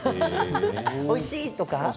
おいしい、丸、とか。